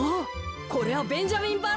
これはベンジャミンバロック。